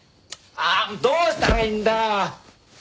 ああもうどうしたらいいんだ！？